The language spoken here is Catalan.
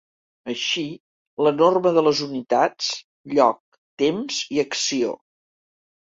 Així, la norma de les unitats, lloc, temps i acció.